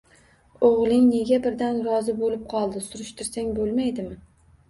O`g`ling nega birdan rozi bo`lib qoldi, surishtirsang bo`lmaydimi